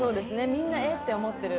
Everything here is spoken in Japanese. みんな「え？」って思ってる。